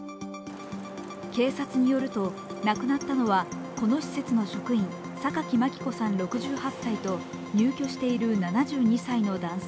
警察によると、亡くなったのはこの施設の職員、榊真希子さん６８歳と入居している７２歳の男性。